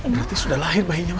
berarti sudah lahir bayinya